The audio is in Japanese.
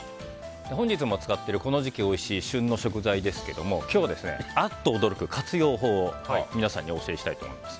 本日も使っているこの時期おいしい旬の食材ですが今日、あっと驚く活用法を皆さんにお教えしたいと思います。